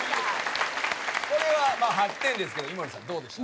これはまあ８点ですけど井森さんどうでした？